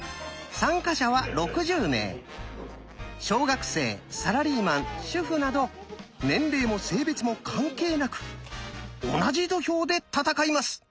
小学生サラリーマン主婦など年齢も性別も関係なく同じ土俵で戦います。